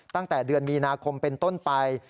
ตั้งแต่เดือนมีนาคมเป็นต้นไป